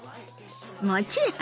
もちろんよ。